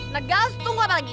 nah guys tunggu apa lagi